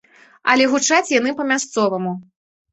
Але гучаць яны па-мясцоваму.